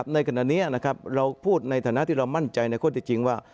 ในขณะนี้เราพูดในฐานะที่เรามั่นใจในข้อที่จริงว่า